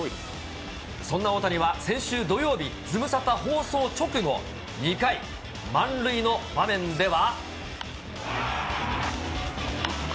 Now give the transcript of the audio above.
そんな大谷は先週土曜日、ズムサタ放送直後、２回、満塁の場面では。